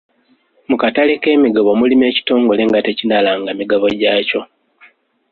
Mu katale k'emigabo mulimu ekitongole nga tekinnalanga migabo gyakyo.